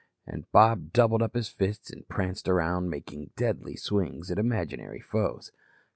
And Bob doubled up his fists and pranced around, making deadly swings at imaginary foes.